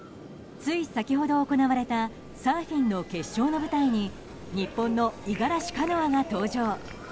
つい先ほど行われたサーフィンの決勝の舞台に日本の五十嵐カノアが登場。